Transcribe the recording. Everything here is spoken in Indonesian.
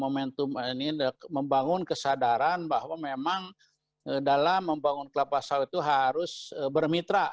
momentum ini membangun kesadaran bahwa memang dalam membangun kelapa sawit itu harus bermitra